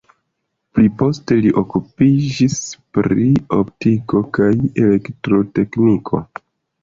Pli poste li okupiĝis pri optiko kaj elektrotekniko.